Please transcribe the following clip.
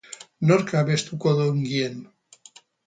Nork abestuko du ongien?